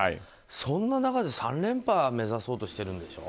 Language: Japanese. そんな中で３連覇目指そうとしてるんでしょ。